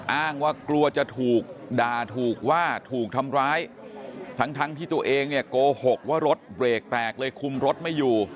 อ้างว่ากลัวจะถูกด่าถูกว่าถูกทำร้ายทั้งที่ตัวเองเนี่ยโกหกว่ารถเบรกแตกเลยคุมรถไม่อยู่